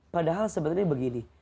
padahal sebenarnya begini